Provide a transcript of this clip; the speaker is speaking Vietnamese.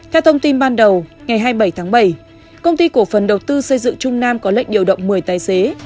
theo thông tin ban đầu ngày hai mươi bảy tháng bảy công ty cổ phần đầu tư xây dựng trung nam có lệnh điều động một mươi tài xế